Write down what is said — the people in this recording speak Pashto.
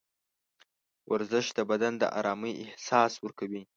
ورزش د بدن د ارامۍ احساس ورکوي.